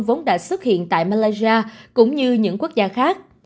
vốn đã xuất hiện tại malaysia cũng như những quốc gia khác